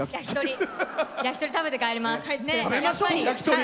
食べて帰ります。